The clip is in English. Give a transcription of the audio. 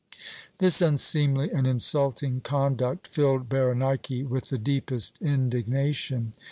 This unseemly and insulting conduct filled Berenike with the deepest indignation.